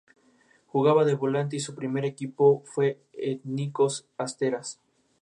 Sin embargo, bajo los gobierno radicales no hubo avances a favor de los mapuches.